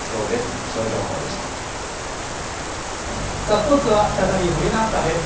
スポーツは再び、堀アナウンサーです。